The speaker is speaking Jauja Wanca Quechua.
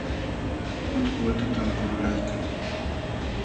Utku watutam kululaykan.